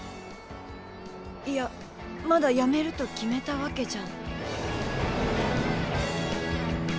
いやまだ辞めると決めたわけじゃ。